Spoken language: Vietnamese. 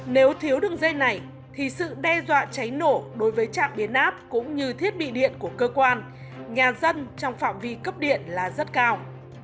nếu thiếu đường dây này thì sự đe dọa cháy nổ đối với trạm biến áp cũng như thiết bị điện của cơ quan nhà dân trong phạm vi cấp điện là rất cao